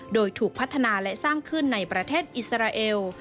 โดยถูกพัฒนาและสร้างขึ้นในประเทศอิสราเอล